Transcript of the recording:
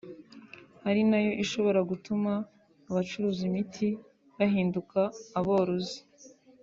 ari na yo ishobora gutuma abacuruza imiti bahinduka abarozi